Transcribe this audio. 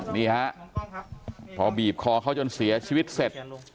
นี่ฮะพอบีบคอเขาจนเสียชีวิตเสร็จ